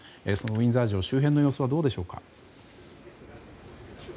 ウィンザー城周辺の様子はどうでしょうか。